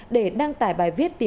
để đăng tải bài viết